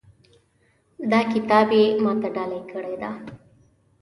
دا کتاب یې ما ته ډالۍ کړی ده